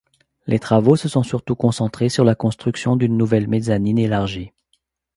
Les travaux se sont surtout concentrés sur la construction d’une nouvelle mezzanine élargie.